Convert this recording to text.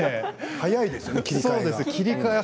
早いですね、切り替えが。